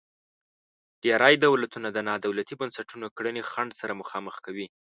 ډیری دولتونه د نا دولتي بنسټونو کړنې خنډ سره مخامخ کوي.